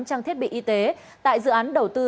trang thiết bị y tế tại dự án đầu tư